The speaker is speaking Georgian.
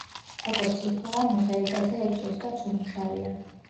როგორც ირკვევა, მოზაიკაზე ექვს ოსტატს უმუშავია.